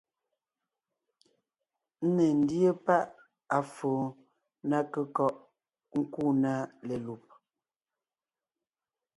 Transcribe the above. Ńne ńdíe páʼ à foo ná kékɔ́ʼ nkúu na lelùb,